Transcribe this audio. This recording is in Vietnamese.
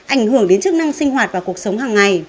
ảnh hưởng đến chức năng sinh hoạt và cuộc sống hàng ngày